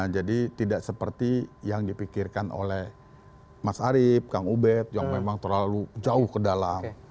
jadi tidak seperti yang dipikirkan oleh mas arief kang ubed yang memang terlalu jauh ke dalam